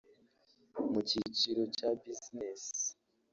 mu kiciro cya businesi